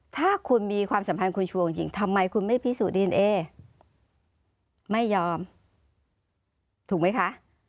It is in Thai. ถ้าคุณมีความสัมพันธ์คุณชัวร์จริงทำไมคุณไม่พิสูจนดีเอนเอไม่ยอมถูกไหมคะ